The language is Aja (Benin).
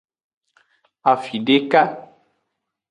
Afideka.